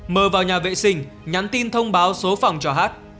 m vào nhà vệ sinh nhắn tin thông báo số phòng cho h